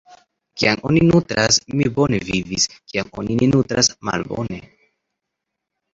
Kiam oni nutras, mi bone vivis, kiam oni ne nutras - malbone.